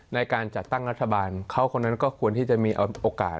ในการจัดตั้งรัฐบาลเขาคนนั้นก็ควรที่จะมีโอกาส